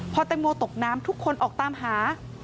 พอแตงโมตกน้ำทุกคนออกตามหา